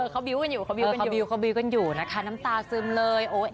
เขาบิลล์กันอยู่นะคะน้ำตาซึมเลย